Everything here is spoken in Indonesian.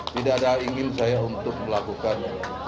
tidak ada ingin saya untuk melakukan